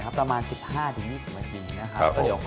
ชั้นสุดท้ายแล้ว